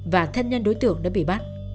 và thân nhân đối tượng đã bị bắt